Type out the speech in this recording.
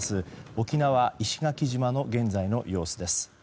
沖縄・石垣島の現在の様子です。